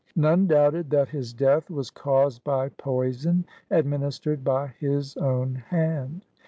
None doubted that his death was caused by poison, administered by his own hand.